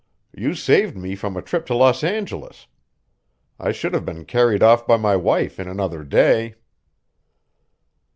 You saved me from a trip to Los Angeles. I should have been carried off by my wife in another day."